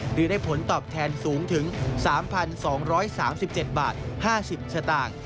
หรือได้ผลตอบแทนสูงถึง๓๒๓๗บาท๕๐สตางค์